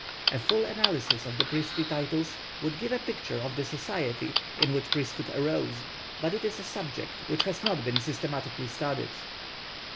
A full analysis of the priestly titles would give a picture of the society in which priesthood arose, but it is a subject which has not been systematically studied.